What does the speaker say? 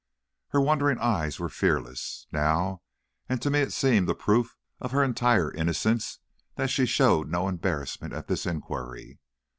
Her wondering eyes were fearless, now, and to me it seemed a proof of her entire innocence that she showed no embarrassment at this inquiry.